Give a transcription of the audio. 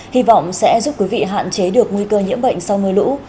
hy vọng sẽ giúp quý vị hạn chế được nguy cơ nhiễm bệnh sau mưa lũ